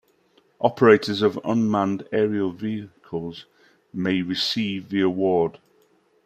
Operators of Unmanned aerial vehicles may receive the award.